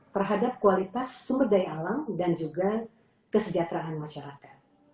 terhadap kualitas sumber daya alam dan juga kesejahteraan masyarakat